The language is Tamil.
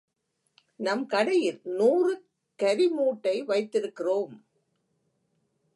நம் கடையில் நூறு கரி மூட்டை வைத்திருக்கிறோம்.